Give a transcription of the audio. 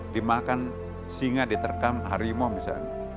dimakan singa diterkam harimau misalnya